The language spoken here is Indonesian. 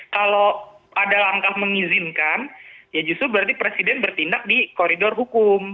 kalau ada langkah mengizinkan ya justru berarti presiden bertindak di koridor hukum